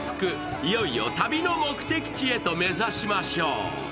いよいよ旅の目的地へと目指しましょう。